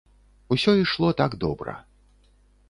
Усё ішло так добра.